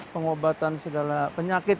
pengobatan segala penyakit